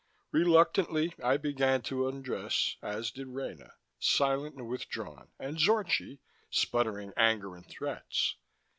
Reluctantly I began to undress, as did Rena, silent and withdrawn, and Zorchi, sputtering anger and threats.